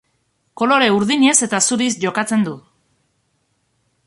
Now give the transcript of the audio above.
Kolore urdinez eta zuriz jokatzen du.